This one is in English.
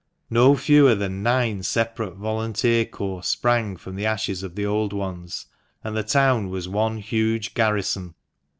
No fewer than nine separate volunteer corps sprang from the ashes of the old ones, and the town was one huge garrison.